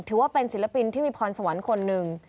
ถือว่าเป็นศิลปินที่มีพรสวรรค์คนหนึ่ง